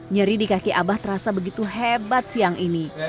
nyeri di kaki abah terasa begitu hebat siang ini